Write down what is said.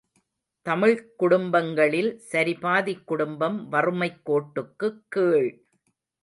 தமிழ்க் குடும்பங்களில் சரிபாதிக் குடும்பம் வறுமைக் கோட்டுக்கு கீழ்!